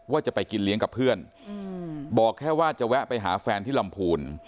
ว่าจะไปกินเลี้ยงกับเพื่อนบอกแค่ว่าจะแวะไปหาแฟนที่ลำพูน